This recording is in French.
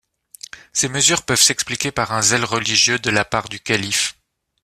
Ces mesures peuvent s'expliquer par un zèle religieux de la part du calife.